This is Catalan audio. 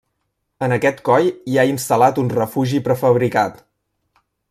En aquest coll hi ha instal·lat un refugi prefabricat.